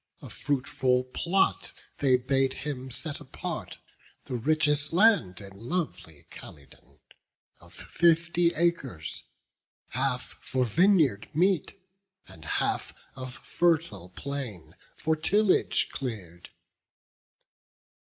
A fruitful plot they bade him set apart, The richest land in lovely Calydon, Of fifty acres: half for vineyard meet, And half of fertile plain, for tillage clear'd.